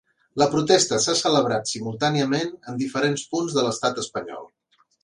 La protesta s’ha celebrat simultàniament en diferents punts de l’estat espanyol.